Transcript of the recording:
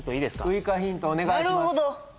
ウイカヒントお願いします